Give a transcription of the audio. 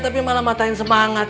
tapi malah matain semangat